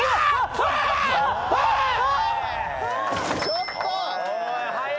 ・・ちょっと！